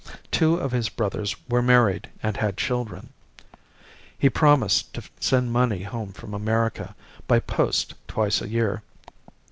Two of his brothers were married and had children. He promised to send money home from America by post twice a year.